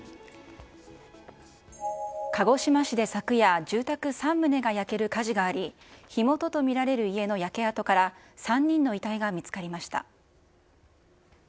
鹿児島市で昨夜、住宅３棟が焼ける火事があり、火元と見られる家の焼け跡から３人の遺体が見つかりました。